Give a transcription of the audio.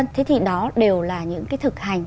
thế thì đó đều là những cái thực hành